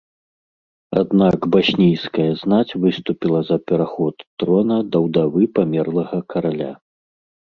Аднак баснійская знаць выступіла за пераход трона да ўдавы памерлага караля.